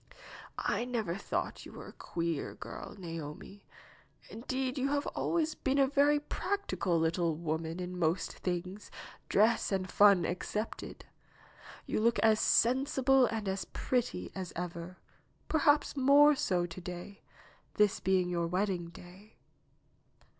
H never thought you a queer girl, Naomi. Indeed, you have always been a very practical little woman in most things, dress and fun excepted. You look as sen sible and as pretty as ever, perhaps more so to day, this being your wedding day.